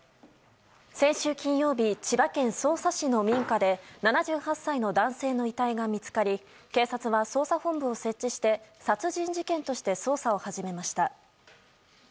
先週金曜日千葉県匝瑳市の民家で７８歳の男性の遺体が見つかり警察は捜査本部を設置して殺人事件として捜査を始めました。